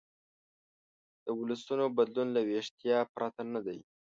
د ولسونو بدلون له ویښتیا پرته نه دی.